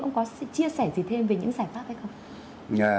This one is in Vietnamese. ông có chia sẻ gì thêm về những giải pháp hay không